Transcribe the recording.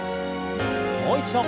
もう一度。